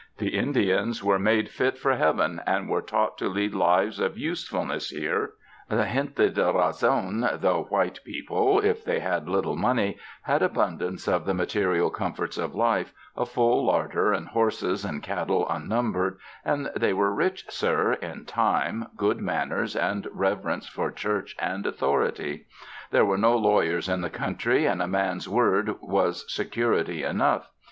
The Indians were 152 THE FRANCISCAN MISSIONS made fit for heaven and were taught to lead lives of usefulness here; the genie de razon — the white people — it they had little money, had abundance of the material comforts of life, a full larder and horses and cattle unnumbered, and they were rich, sir, in time, good manners and reverence for Church and authority. There were no lawyers in the country, and a man's word was security enough.